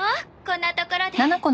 こんなところで。